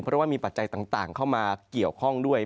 เพราะว่ามีปัจจัยต่างเข้ามาเกี่ยวข้องด้วย